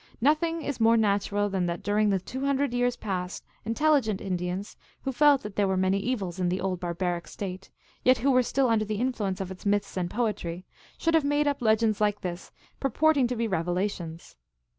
Noth ing is more natural than that during the two hundred years past intelligent Indians, who felt that there were many evils in the old barbaric state, yet who were still under the influence of its myths and poetry, should have made up legends like this purporting to be revela tions.